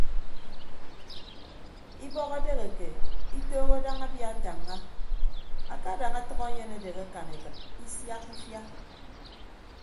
Ibọk edeheke itooho daña abia atañña akadañ atʌk enyen adehe akan ekịt isiakka ifia.